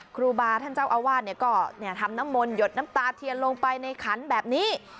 ครูบาท่านเจ้าอาวาสก็ทำน้ำมนต์หยดน้ำตาเทียนลงไปในขันแบบนี้